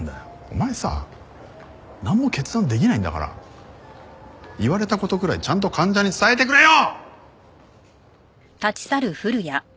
お前さなんも決断できないんだから言われた事くらいちゃんと患者に伝えてくれよ！！